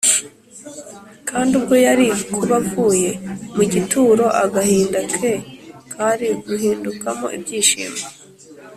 Kandi ubwo yari kuba avuye mu gituro agahinda ke kari guhindukamo ibyishimo